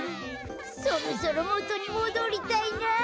そろそろもとにもどりたいなあ。